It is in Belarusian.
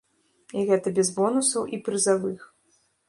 І гэта без бонусаў і прызавых.